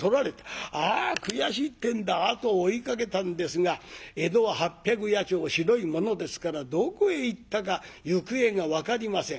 「あ悔しい」ってんで後を追いかけたんですが江戸は八百八町広いものですからどこへ行ったか行方が分かりません。